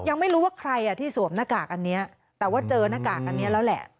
ยังไม่รู้ว่าใครอ่ะที่สวมหน้ากากอันนี้แต่ว่าเจอหน้ากากอันนี้แล้วแหละ